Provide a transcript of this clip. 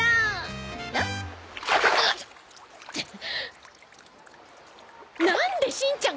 ってなんでしんちゃん